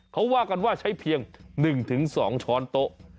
เขาว่ากันว่าใช้เพียง๑๒ช้อนโต๊ะ